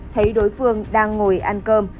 thấy đối phương đang ngồi ăn cơm